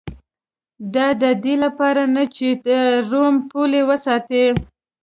دا د دې لپاره نه چې د روم پولې وساتي